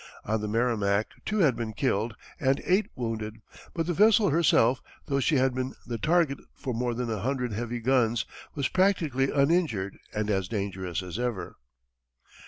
On the Merrimac, two had been killed and eight wounded, but the vessel herself, though she had been the target for more than a hundred heavy guns, was practically uninjured and as dangerous as ever.